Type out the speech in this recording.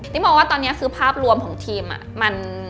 นี่มองว่าตอนนี้คือภาพรวมของทีม